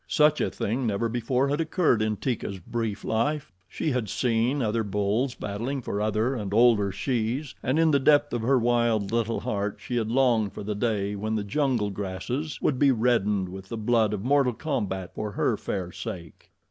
Such a thing never before had occurred in Teeka's brief life. She had seen other bulls battling for other and older shes, and in the depth of her wild little heart she had longed for the day when the jungle grasses would be reddened with the blood of mortal combat for her fair sake.